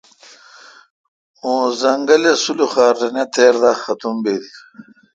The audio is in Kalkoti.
اں زنگلہ سلوخار رنے تیر دا ختم بیل۔